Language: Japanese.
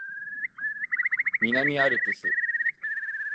南アルプス